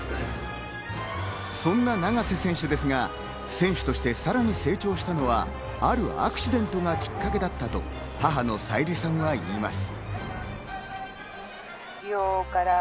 そんな永瀬選手ですが、選手としてさらに成長したのは、あるアクシデントがきっかけだと、母の小由利さんは言います。